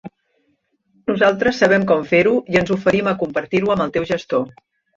Nosaltres sabem com fer-ho i ens oferim a compartir-ho amb el teu gestor.